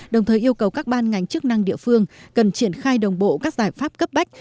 đồng thời yêu cầu các ban ngành chức năng địa phương cần triển khai đồng bộ các giải pháp cấp bách